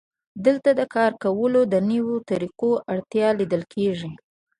دلته د کار کولو د نویو طریقو اړتیا لیدل کېږي